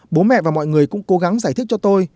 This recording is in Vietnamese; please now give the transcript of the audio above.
bố mẹ và mọi người cũng cố gắng giải thích cho tôi